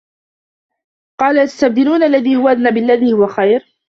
قَالَ أَتَسْتَبْدِلُونَ الَّذِي هُوَ أَدْنَىٰ بِالَّذِي هُوَ خَيْرٌ